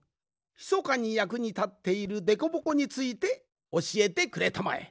ひそかにやくにたっているでこぼこについておしえてくれたまえ。